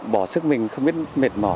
bỏ sức mình không biết mệt mỏi